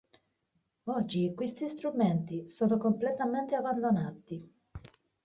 Oggi, questi strumenti, sono completamente abbandonati.